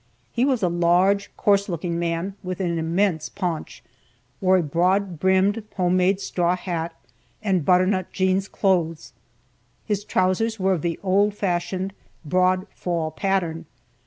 He was a large, coarse looking man, with an immense paunch, wore a broad brimmed, home made straw hat and butter nut jeans clothes. His trousers were of the old fashioned, "broad fall" pattern.